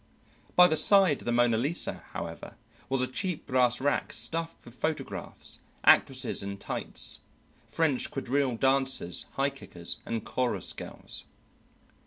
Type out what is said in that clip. By the side of the "Mona Lisa," however, was a cheap brass rack stuffed with photographs: actresses in tights, French quadrille dancers, high kickers, and chorus girls.